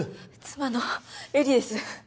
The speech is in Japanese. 妻の絵里です